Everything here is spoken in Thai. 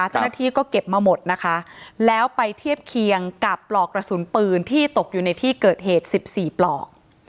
เจ้าหน้าที่ก็เก็บมาหมดนะคะแล้วไปเทียบเคียงกับปลอกกระสุนปืนที่ตกอยู่ในที่เกิดเหตุ๑๔ปลอก